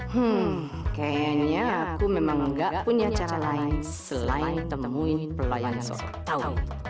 hmm kayaknya aku memang nggak punya cara lain selain temuin pelayanan sotaw